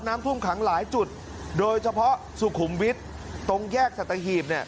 น้ำท่วมขังหลายจุดโดยเฉพาะสุขุมวิทย์ตรงแยกสัตหีบ